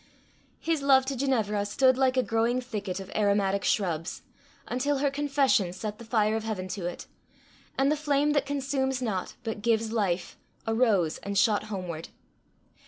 His love to Ginevra stood like a growing thicket of aromatic shrubs, until her confession set the fire of heaven to it, and the flame that consumes not, but gives life, arose and shot homeward.